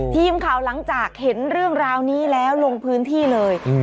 ทีมข่าวหลังจากเห็นเรื่องราวนี้แล้วลงพื้นที่เลย